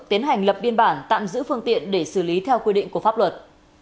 tiến hành lập biên bản tạm giữ phương tiện để xử lý theo quy định của pháp luật